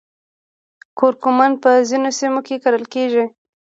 کورکمن په ځینو سیمو کې کرل کیږي